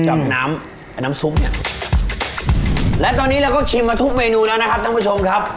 กับน้ำไอ้น้ำซุปเนี้ยและตอนนี้เราก็ชิมมาทุกเมนูแล้วนะครับท่านผู้ชมครับ